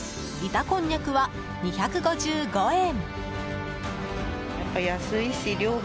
板こんにゃくは２５５円。